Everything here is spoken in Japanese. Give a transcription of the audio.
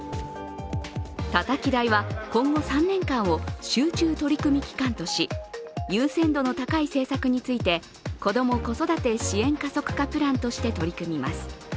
たたき台は今後３年間を集中取り組み期間とし優先度の高い政策について、子ども・子育て支援加速化プランとして取り組みます。